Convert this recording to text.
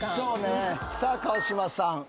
さあ川島さん。